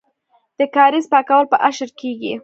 د کاریز پاکول په اشر کیږي.